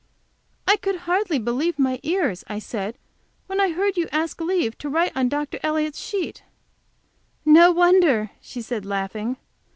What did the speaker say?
"I could hardly believe my ears," I said, "when I heard you ask leave to write on Dr. Elliott's sheet." "No wonder," she said, laughing.